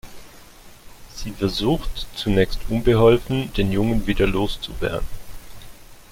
Sie versucht zunächst unbeholfen, den Jungen wieder loszuwerden.